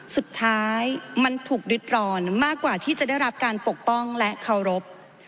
สุดท้ายมันถูกริดร้อนมากกว่าที่จะได้รับการปกป้องและเคารพ